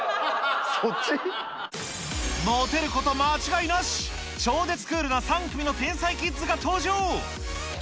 モテること間違いなし、超絶クールな３組の天才キッズが登場。